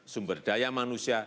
sumber daya manusia